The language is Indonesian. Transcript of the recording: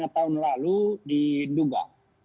dua lima tahun lalu di duga